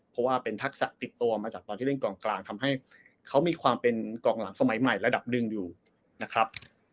เพราะว่าเป็นทักษะติดตัวมาจากตอนที่เล่นกองกลางทำให้เขามีความเป็นกองหลังสมัยใหม่ระดับหนึ่งอยู่นะครับ